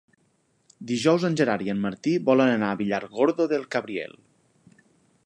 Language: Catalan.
Dijous en Gerard i en Martí volen anar a Villargordo del Cabriel.